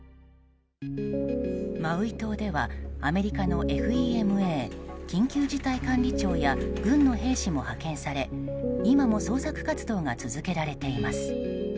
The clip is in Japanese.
マウイ島ではアメリカのＦＥＭＡ・緊急事態管理庁や軍の兵士も派遣され、今も捜索活動が続けられています。